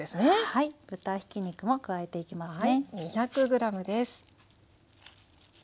はい豚ひき肉も加えていきますね。